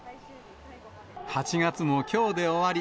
８月もきょうで終わり。